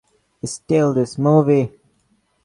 Steal This Movie!